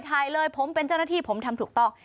ถ่ายเลยผมเป็นเจ้าหน้าที่ผมทำถูกต้อง